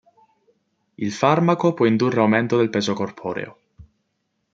Il farmaco può indurre aumento del peso corporeo.